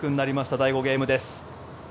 第５ゲームです。